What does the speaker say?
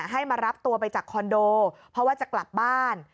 ให้มารับตัวไปจากคอนโดเพราะว่าจะกลับบ้าน